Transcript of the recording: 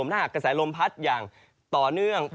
ถ้ากระแสลมปัดต่อเนื่อง